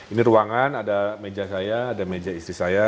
ini ruangan ada meja saya ada meja istri saya